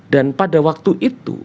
dan pada waktu itu